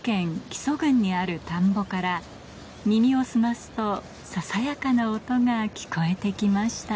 木曽郡にある田んぼから耳を澄ますとささやかな音が聞こえて来ました